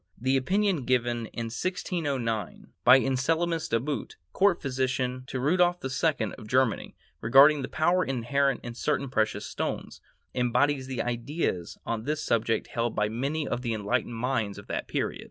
The opinion given in 1609, by Anselmus De Boot, court physician to Rudolph II of Germany, regarding the power inherent in certain precious stones, embodies the ideas on this subject held by many of the enlightened minds of that period.